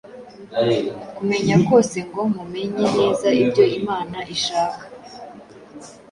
kumenya kose ngo mumenye neza ibyo Imana ishaka,